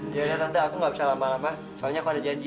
yaudah tante aku gak bisa lama lama soalnya aku ada janji